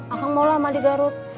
akan mau lama di garut